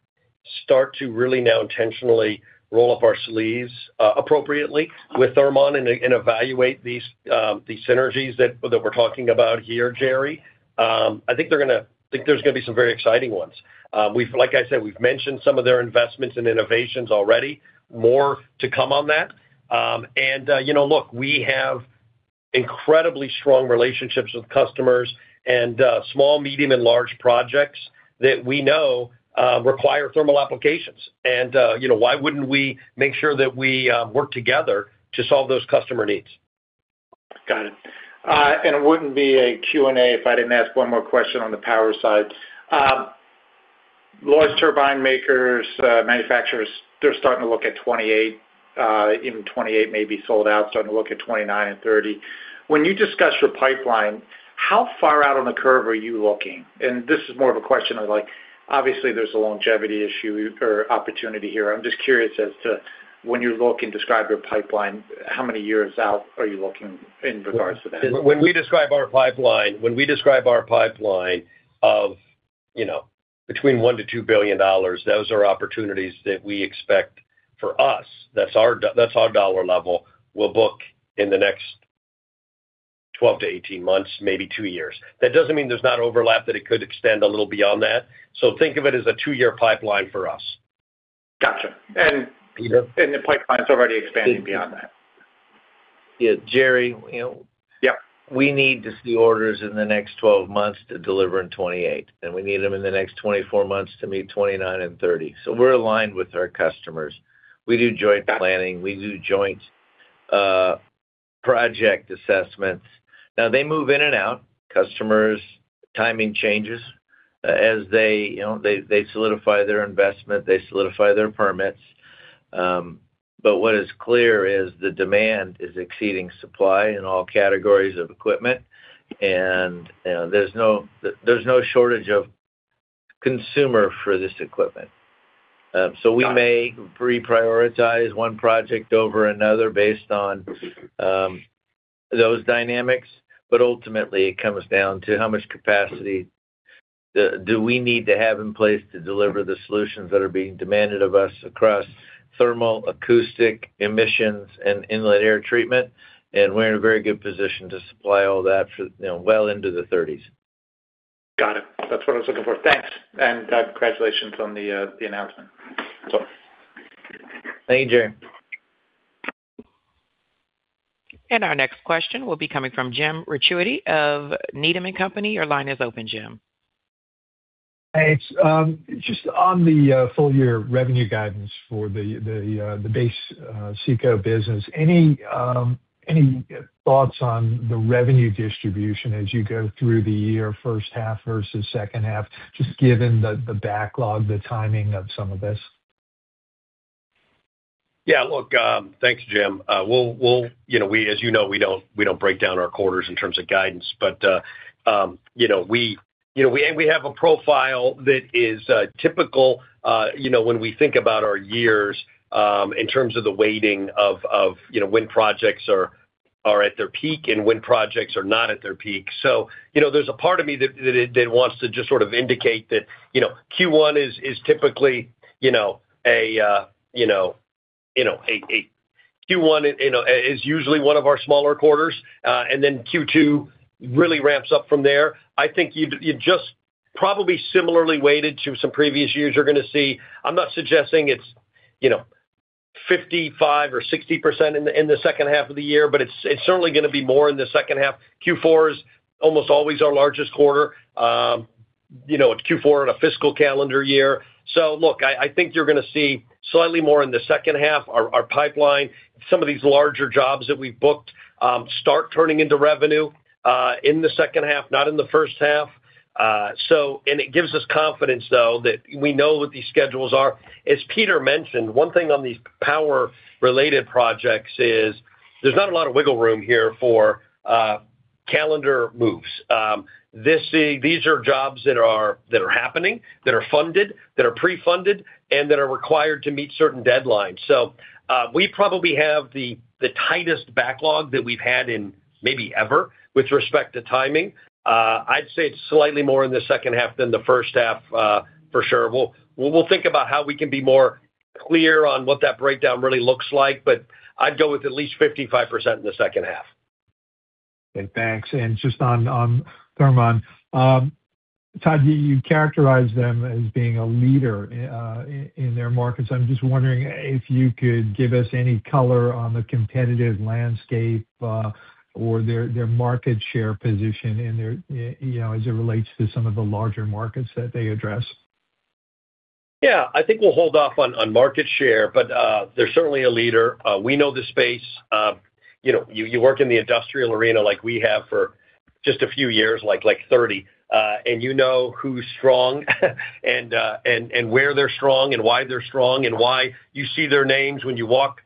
start to really now intentionally roll up our sleeves, appropriately with Thermon and evaluate these, the synergies that we're talking about here, Gerry, I think there's gonna be some very exciting ones. Like I said, we've mentioned some of their investments and innovations already. More to come on that. You know, look, we have incredibly strong relationships with customers and, small, medium, and large projects that we know, require thermal applications. You know, why wouldn't we make sure that we, work together to solve those customer needs? Got it. It wouldn't be a Q&A if I didn't ask one more question on the power side. Large turbine makers, manufacturers, they're starting to look at 2028, even 2028 may be sold out, starting to look at 2029 and 2030. When you discuss your pipeline, how far out on the curve are you looking? This is more of a question of like, obviously, there's a longevity issue or opportunity here. I'm just curious as to, when you look and describe your pipeline, how many years out are you looking in regards to that? When we describe our pipeline of, you know, between $1 billion-$2 billion, those are opportunities that we expect, for us, that's our dollar level, will book in the next 12-18 months, maybe two years. That doesn't mean there's not overlap, that it could extend a little beyond that. Think of it as a two-year pipeline for us. Gotcha. Peter? The pipeline is already expanding beyond that. Yeah, Gerry, you know- Yep. We need to see orders in the next 12 months to deliver in 2028. We need them in the next 24 months to meet 2029 and 2030. We're aligned with our customers. We do joint planning, we do joint project assessments. They move in and out, customers, timing changes. As they, you know, they solidify their investment, they solidify their permits. What is clear is the demand is exceeding supply in all categories of equipment, and there's no shortage of consumer for this equipment. We may reprioritize one project over another based on those dynamics, but ultimately it comes down to how much capacity do we need to have in place to deliver the solutions that are being demanded of us across thermal, acoustic, emissions, and inlet air treatment. We're in a very good position to supply all that for, you know, well into the thirties. Got it. That's what I was looking for. Thanks, and congratulations on the announcement. That's all. Thank you, Gerry. Our next question will be coming from Jim Ricchiuti of Needham & Company. Your line is open, Jim. Hey, it's just on the full year revenue guidance for the base CECO business. Any thoughts on the revenue distribution as you go through the year, first half versus second half, just given the backlog, the timing of some of this? Yeah. Look, thanks, Jim. We'll You know, we, as you know, we don't, we don't break down our quarters in terms of guidance, but, you know, we, you know, we, and we have a profile that is typical, you know, when we think about our years, in terms of the weighting of, you know, when projects are at their peak and when projects are not at their peak. You know, there's a part of me that wants to just sort of indicate that, you know, Q1 is typically, you know, a, you know, a Q1, you know, is usually one of our smaller quarters, and then Q2 really ramps up from there. I think you just probably similarly weighted to some previous years, you're gonna see. I'm not suggesting it's, you know, 55% or 60% in the second half of the year, but it's certainly gonna be more in the second half. Q4 is almost always our largest quarter, you know, Q4 in a fiscal calendar year. Look, I think you're gonna see slightly more in the second half. Our pipeline, some of these larger jobs that we've booked, start turning into revenue in the second half, not in the first half. It gives us confidence, though, that we know what these schedules are. As Peter mentioned, one thing on these power-related projects is there's not a lot of wiggle room here for calendar moves. These are jobs that are happening, that are funded, that are pre-funded, and that are required to meet certain deadlines. We probably have the tightest backlog that we've had in maybe ever, with respect to timing. I'd say it's slightly more in the second half than the first half, for sure. We'll think about how we can be more clear on what that breakdown really looks like, but I'd go with at least 55% in the second half. Okay, thanks. Just on Thermon, Todd, you characterize them as being a leader, in their markets. I'm just wondering if you could give us any color on the competitive landscape, or their market share position in their, you know, as it relates to some of the larger markets that they address? Yeah. I think we'll hold off on market share, but they're certainly a leader. We know the space. You know, you work in the industrial arena like we have for just a few years, like 30, and you know who's strong, and where they're strong and why they're strong and why you see their names when you walk,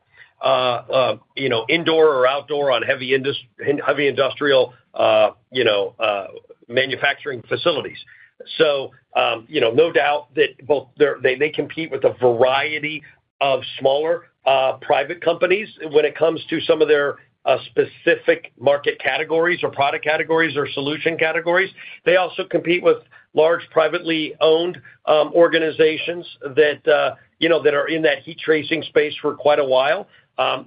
you know, indoor or outdoor on heavy industrial, you know, manufacturing facilities. You know, no doubt that both they compete with a variety of smaller, private companies when it comes to some of their specific market categories or product categories or solution categories. They also compete with large privately owned organizations that, you know, that are in that heat tracing space for quite a while.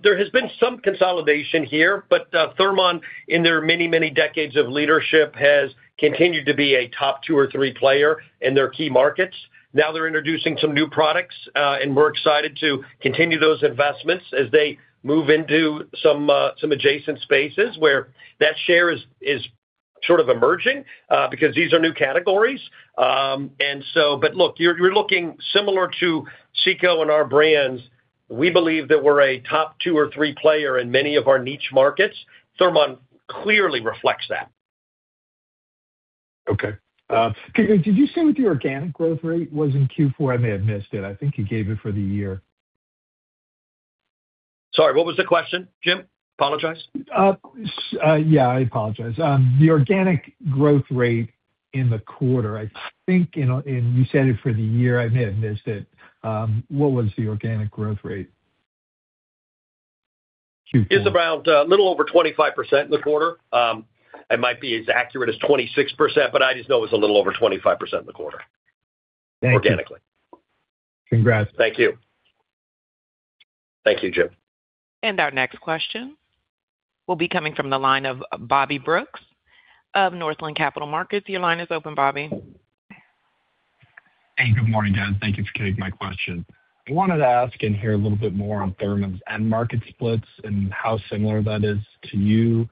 There has been some consolidation here, but Thermon, in their many, many decades of leadership, has continued to be a top two or three player in their key markets. Now they're introducing some new products, and we're excited to continue those investments as they move into some adjacent spaces where that share is sort of emerging, because these are new categories. Look, you're looking similar to CECO and our brands. We believe that we're a top two or three player in many of our niche markets. Thermon clearly reflects that. Okay. Did you say what the organic growth rate was in Q4? I may have missed it. I think you gave it for the year. Sorry, what was the question, Jim? I apologize. Yeah, I apologize. The organic growth rate in the quarter. I think, you know, and you said it for the year, I may have missed it. What was the organic growth rate? Q4. It's around a little over 25% in the quarter. It might be as accurate as 26%, but I just know it's a little over 25% in the quarter. Thank you. -organically. Congrats. Thank you. Thank you, Jim. Our next question will be coming from the line of Bobby Brooks of Northland Capital Markets. Your line is open, Bobby. Hey, good morning, guys. Thank you for taking my question. I wanted to ask and hear a little bit more on Thermon's end market splits and how similar that is to you.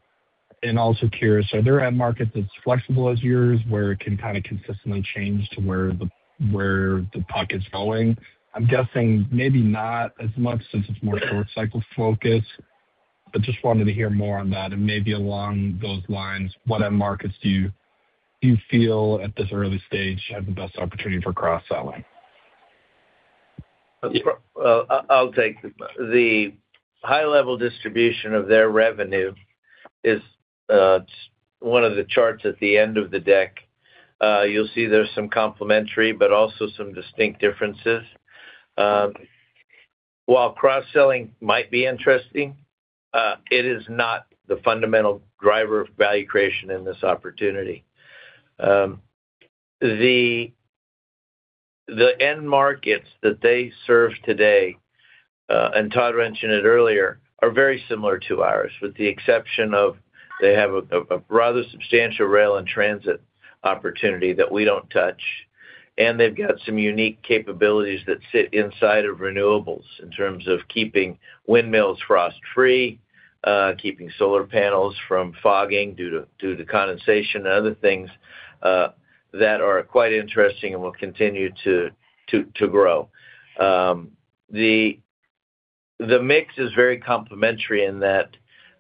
Also curious, are there end markets as flexible as yours, where it can kind of consistently change to where the puck is going? I'm guessing maybe not as much, since it's more short cycle focused, but just wanted to hear more on that. Maybe along those lines, what end markets do you feel at this early stage have the best opportunity for cross-selling? I'll take it. The high-level distribution of their revenue is one of the charts at the end of the deck. You'll see there's some complementary, but also some distinct differences. While cross-selling might be interesting, it is not the fundamental driver of value creation in this opportunity. The end markets that they serve today, and Todd mentioned it earlier, are very similar to ours, with the exception of they have a rather substantial rail and transit opportunity that we don't touch, and they've got some unique capabilities that sit inside of renewables in terms of keeping windmills frost-free, keeping solar panels from fogging due to condensation and other things that are quite interesting and will continue to grow. The mix is very complementary in that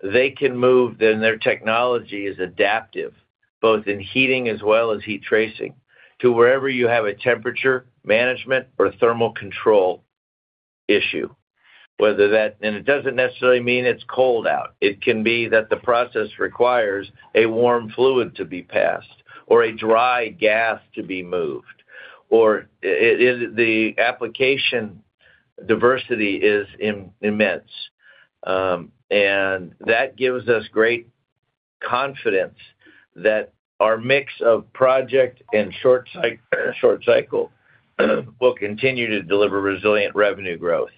they can move, and their technology is adaptive, both in heating as well as heat tracing, to wherever you have a temperature management or thermal control issue. It doesn't necessarily mean it's cold out. It can be that the process requires a warm fluid to be passed or a dry gas to be moved, or it, the application diversity is immense, and that gives us great confidence that our mix of project and short cycle, will continue to deliver resilient revenue growth.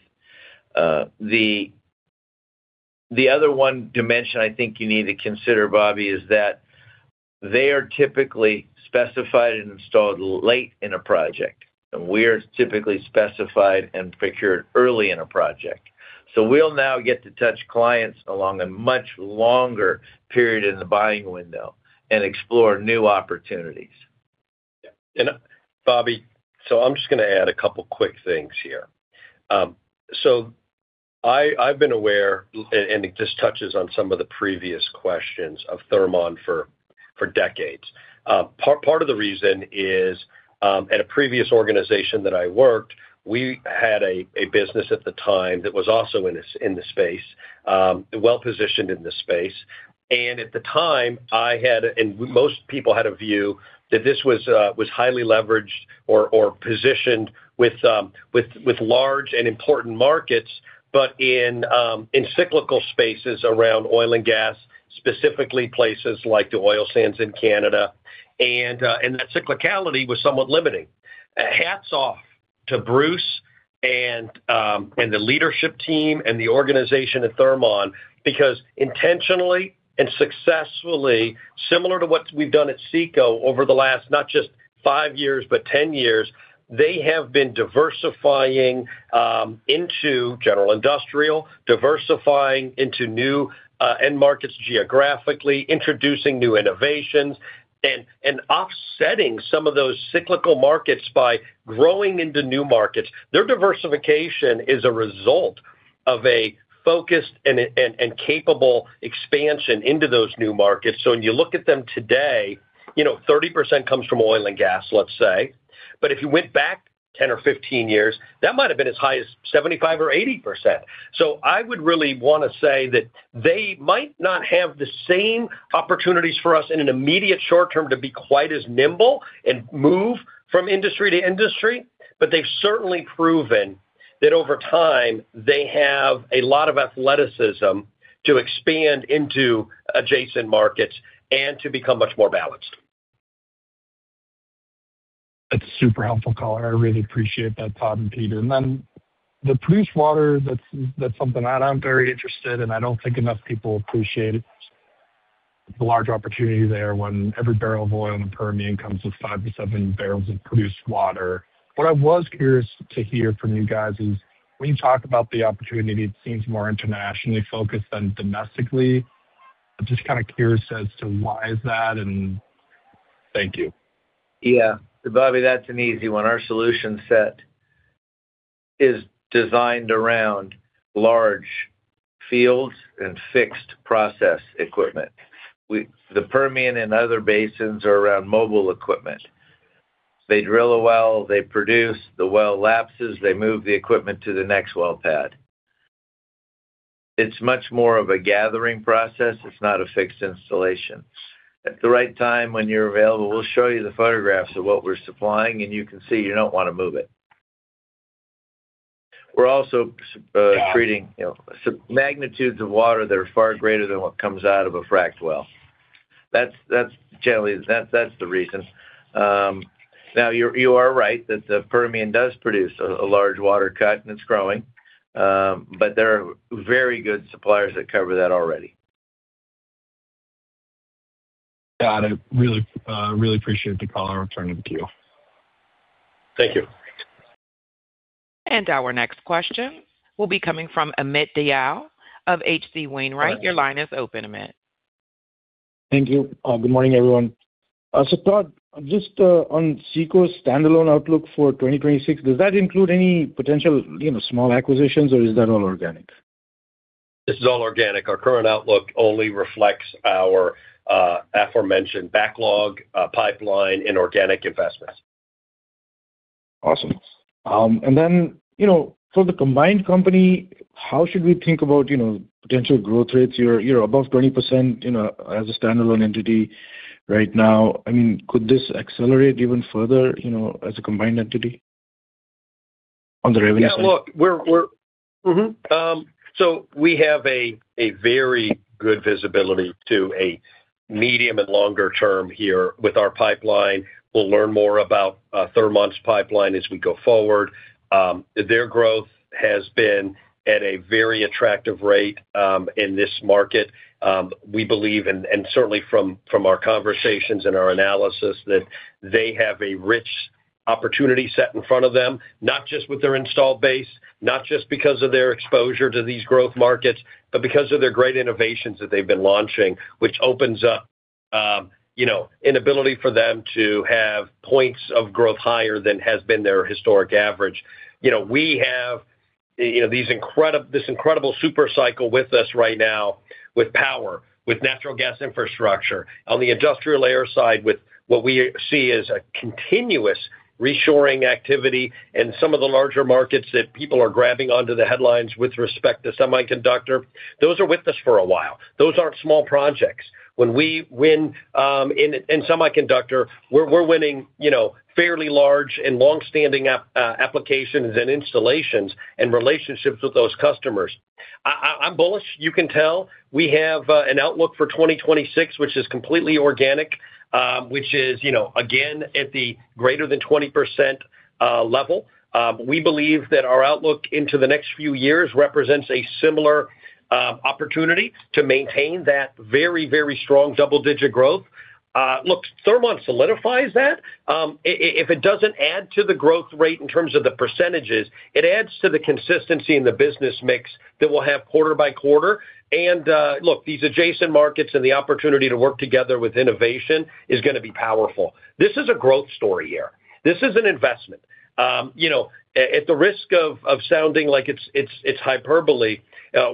The other one dimension I think you need to consider, Bobby, is that they are typically specified and installed late in a project, and we're typically specified and procured early in a project. We'll now get to touch clients along a much longer period in the buying window and explore new opportunities. Yeah. Bobby, I'm just going to add a couple quick things here. I've been aware, and it just touches on some of the previous questions, of Thermon for decades. Part of the reason is, at a previous organization that I worked, we had a business at the time that was also in this space, well-positioned in this space. At the time, I had, and most people had a view that this was highly leveraged or positioned with large and important markets, but in cyclical spaces around oil and gas, specifically places like the oil sands in Canada, and that cyclicality was somewhat limiting. Hats off to Bruce and the leadership team and the organization at Thermon, because intentionally and successfully, similar to what we've done at CECO over the last not just five years, but 10 years, they have been diversifying into general industrial, diversifying into new end markets geographically, introducing new innovations, and offsetting some of those cyclical markets by growing into new markets. Their diversification is a result of a focused and capable expansion into those new markets. When you look at them today, you know, 30% comes from oil and gas, let's say, but if you went back 10 or 15 years, that might have been as high as 75% or 80%. I would really want to say that they might not have the same opportunities for us in an immediate short term to be quite as nimble and move from industry to industry, but they've certainly proven that over time, they have a lot of athleticism to expand into adjacent markets and to become much more balanced. That's super helpful, caller. I really appreciate that, Todd and Peter. The produced water, that's something I'm very interested in. I don't think enough people appreciate it, the large opportunity there when every barrel of oil in the Permian comes with 5 to 7 barrels of produced water. What I was curious to hear from you guys is, when you talk about the opportunity, it seems more internationally focused than domestically. I'm just kind of curious as to why is that, and thank you. Yeah. Bobby, that's an easy one. Our solution set is designed around large fields and fixed process equipment. The Permian and other basins are around mobile equipment. They drill a well, they produce, the well lapses, they move the equipment to the next well pad. It's much more of a gathering process. It's not a fixed installation. At the right time, when you're available, we'll show you the photographs of what we're supplying, and you can see you don't want to move it. We're also treating, you know, magnitudes of water that are far greater than what comes out of a fracked well. That's generally, that's the reason. Now, you are right that the Permian does produce a large water cut, and it's growing, there are very good suppliers that cover that already. Got it. Really, really appreciate the call. I'll return it to you. Thank you. Our next question will be coming from Amit Dayal of H.C. Wainwright. Your line is open, Amit. Thank you. Good morning, everyone. Todd, just, on CECO's standalone outlook for 2026, does that include any potential, you know, small acquisitions, or is that all organic? This is all organic. Our current outlook only reflects our aforementioned backlog, pipeline, and organic investments. Awesome. you know, for the combined company, how should we think about, you know, potential growth rates? You're above 20%, you know, as a standalone entity right now. I mean, could this accelerate even further, you know, as a combined entity on the revenue side? Yeah, look, we're. We have a very good visibility to a medium and longer term here with our pipeline. We'll learn more about Thermon's pipeline as we go forward. Their growth has been at a very attractive rate in this market. We believe and certainly from our conversations and our analysis, that they have a rich opportunity set in front of them, not just with their installed base, not just because of their exposure to these growth markets, but because of their great innovations that they've been launching, which opens up, you know, an ability for them to have points of growth higher than has been their historic average. You know, we have, you know, this incredible super cycle with us right now with power, with natural gas infrastructure. On the industrial air side, with what we see as a continuous reshoring activity and some of the larger markets that people are grabbing onto the headlines with respect to semiconductor. Those are with us for a while. Those aren't small projects. When we win in semiconductor, we're winning, you know, fairly large and long-standing applications and installations and relationships with those customers. I'm bullish, you can tell. We have an outlook for 2026, which is completely organic, which is, you know, again, at the greater than 20% level. We believe that our outlook into the next few years represents a similar opportunity to maintain that very, very strong double-digit growth. Look, Thermon solidifies that. If it doesn't add to the growth rate in terms of the percentages, it adds to the consistency in the business mix that we'll have quarter by quarter. Look, these adjacent markets and the opportunity to work together with innovation is gonna be powerful. This is a growth story here. This is an investment. You know, at the risk of sounding like it's hyperbole,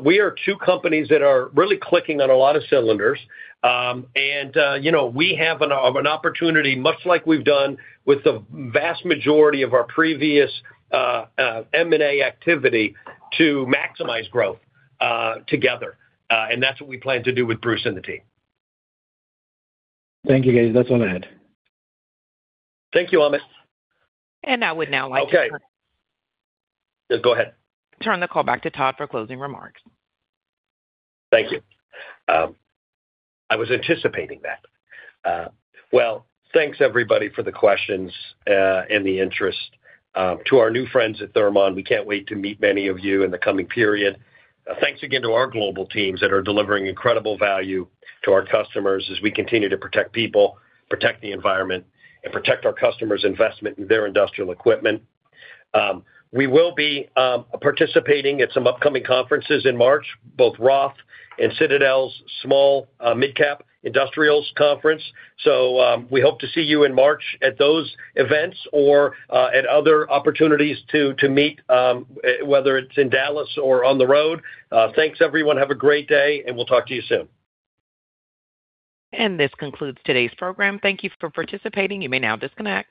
we are two companies that are really clicking on a lot of cylinders. You know, we have an opportunity, much like we've done with the vast majority of our previous M&A activity, to maximize growth together. That's what we plan to do with Bruce and the team. Thank you, guys. That's all I had. Thank you, Amit. I would now like to- Okay. Go ahead. Turn the call back to Todd for closing remarks. Thank you. I was anticipating that. Well, thanks, everybody, for the questions and the interest. To our new friends at Thermon, we can't wait to meet many of you in the coming period. Thanks again to our global teams that are delivering incredible value to our customers as we continue to protect people, protect the environment, and protect our customers' investment in their industrial equipment. We will be participating at some upcoming conferences in March, both Roth and Citadel's small, midcap industrials conference. We hope to see you in March at those events or at other opportunities to meet, whether it's in Dallas or on the road. Thanks, everyone. Have a great day, and we'll talk to you soon. This concludes today's program. Thank you for participating. You may now disconnect.